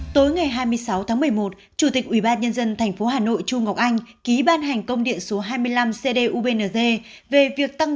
tối hai mươi sáu một mươi một chủ tịch ubnd tp hà nội chu ngọc anh ký ban hành công điện số hai mươi năm cd ubnd về việc tăng